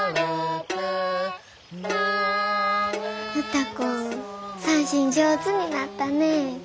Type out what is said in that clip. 歌子三線上手になったね。